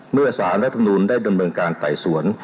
เมื่อสารรัฐมนุนได้ดำเนินการไต่สวน